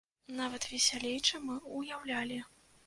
Нават весялей, чым мы ўяўлялі.